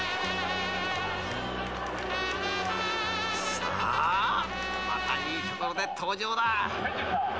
［さあまたいいところで登場だ］